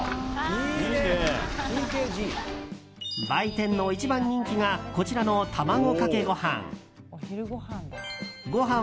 売店の一番人気がこちらの卵かけご飯。